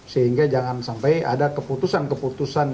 sehingga jangan sampai ada keputusan keputusan